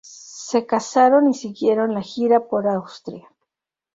Se casaron y siguieron la gira por Austria.